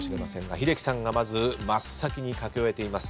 英樹さんがまず真っ先に書き終えています。